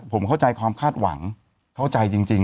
ผมเข้าใจความคาดหวังเข้าใจจริง